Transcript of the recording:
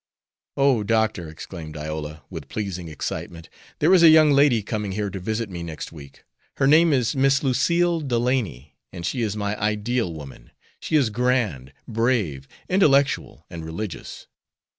"Oh, Doctor," exclaimed Iola, with pleasing excitement, "there is a young lady coming here to visit me next week. Her name is Miss Lucille Delany, and she is my ideal woman. She is grand, brave, intellectual, and religious."